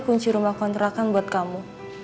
kunci rumah kontrakan buat kamu